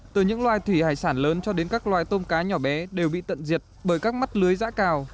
từ những loài thủy hải sản lớn cho đến các loài tôm cá nhỏ bé đều bị tận diệt bởi các mắt lưới giã cào